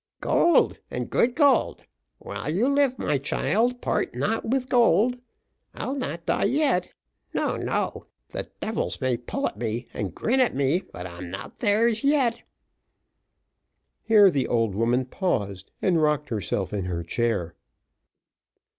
"Gold, and good gold while you live, my child, part not with gold. I'll not die yet no, no, the devils may pull at me, and grin at me, but I'm not theirs yet." Here the old woman paused, and rocked herself in her chair.